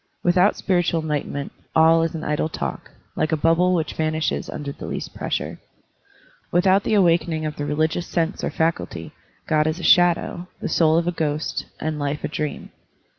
Without spiritual enlightenment, all is an idle talk, like a bubble which vanishes under the least pressure. Without the awakening of the religious sense or faculty, Grod is a shadow, the soul a ghost, and life a dream.